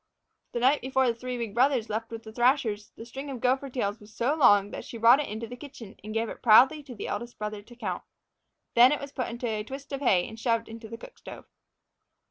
The night before the three big brothers left with the thrashers, the string of gopher tails was so long that she brought it into the kitchen and gave it proudly to the eldest brother to count. Then it was put into a twist of hay and shoved into the cook stove.